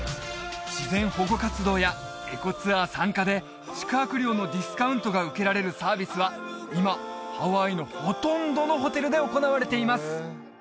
自然保護活動やエコツアー参加で宿泊料のディスカウントが受けられるサービスは今ハワイのほとんどのホテルで行われています